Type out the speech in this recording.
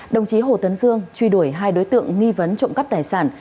đồng chí hồ tấn dương truy đuổi hai đối tượng nghi vấn trộm cắp tài sản